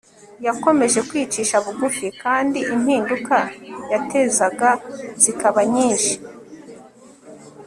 yakomeje kwicisha bugufi, kandi impinduka yatezaga zikaba nyinshi